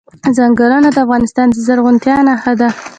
ځنګلونه د افغانستان د زرغونتیا نښه ده.